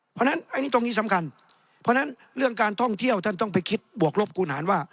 เพราะฉะนั้นอันนี้ตรงนี้สำคัญเพราะฉะนั้นเรื่องการท่องเที่ยวท่านต้องไปคิดบวกลบกูหารว่า